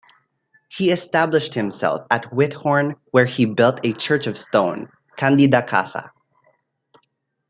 He established himself at Whithorn where he built a church of stone, "Candida Casa".